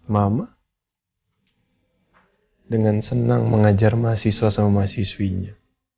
mama dengan senang mengajar mahasiswa sama mahasiswinya